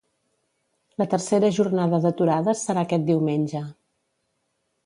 La tercera jornada d'aturades serà aquest diumenge.